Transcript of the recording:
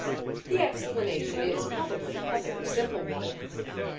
The explanation is probably a very simple one.